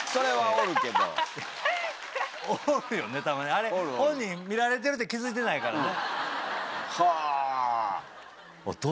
あれ本人見られてるって気付いてないからね。